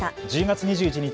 １０月２１日